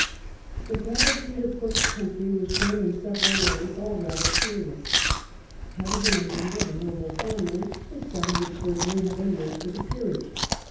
The gratitude of Cook's country was shown in several ways, all rather curious. Had he been a member of a noble family his son would certainly have been raised to the peerage.